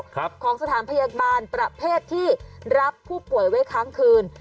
ของสถานพยาบาลประเภทที่รับผู้ป่วยไว้ค้างคืน